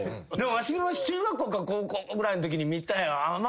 わし中学校か高校ぐらいのときに見た。